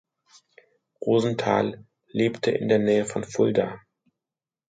Rosenthal lebt in der Nähe von Fulda.